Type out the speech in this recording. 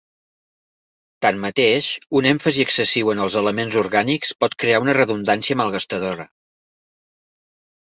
Tanmateix, un èmfasi excessiu en els elements orgànics pot crear una redundància malgastadora.